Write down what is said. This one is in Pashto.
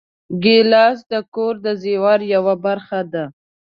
ګیلاس د کور د زېور یوه برخه ده.